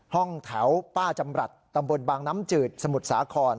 ห้องแถวป้าจำรัฐตำบลบางน้ำจืดสมุทรสาคร